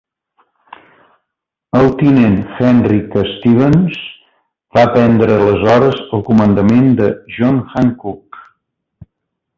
El tinent Henry K. Stevens va prendre aleshores el comandament del "John Hancock".